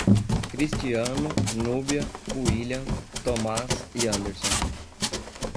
Cristiano, Núbia, William, Tomás e Anderson